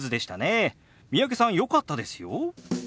三宅さんよかったですよ。